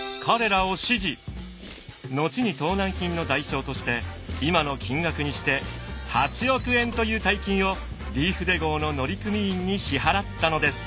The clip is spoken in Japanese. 後に盗難品の代償として今の金額にして８億円という大金をリーフデ号の乗組員に支払ったのです。